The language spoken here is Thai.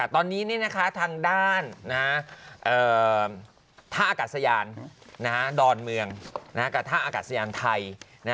ตอนนี้ทางด้านท่าอากาศยานดอนเมืองกับท่าอากาศยานไทย